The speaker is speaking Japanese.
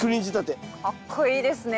かっこいいですねえ。